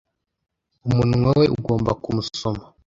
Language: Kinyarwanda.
umunwa we ugomba kumusoma